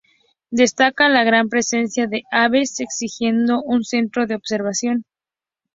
Destaca la gran presencia de aves, existiendo un centro de observación.